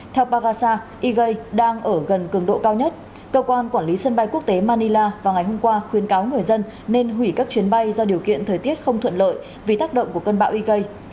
theo pagasa igei đang ở gần cường độ cao nhất cơ quan quản lý sân bay quốc tế manila vào ngày hôm qua khuyên cáo người dân nên hủy các chuyến bay do điều kiện thời tiết không thuận lợi vì tác động của cơn bão igei